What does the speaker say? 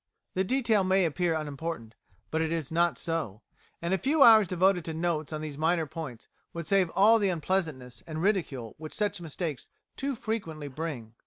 The detail may appear unimportant, but it is not so, and a few hours devoted to notes on these minor points would save all the unpleasantness and ridicule which such mistakes too frequently bring.